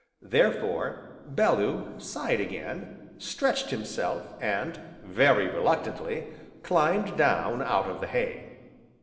Therefore Bellew sighed again, stretched himself, and, very reluctantly, climbed down out of the hay.